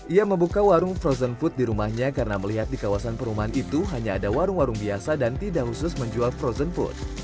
ia membuka warung frozen food di rumahnya karena melihat di kawasan perumahan itu hanya ada warung warung biasa dan tidak khusus menjual frozen food